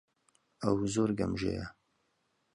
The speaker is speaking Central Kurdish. ئەو زۆر گەمژەیە.